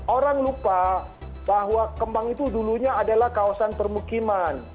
orang lupa bahwa kembang itu dulunya adalah kawasan permukiman